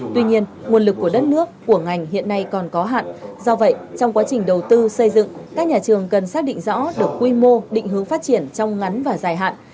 tuy nhiên nguồn lực của đất nước của ngành hiện nay còn có hạn do vậy trong quá trình đầu tư xây dựng các nhà trường cần xác định rõ được quy mô định hướng phát triển trong ngắn và dài hạn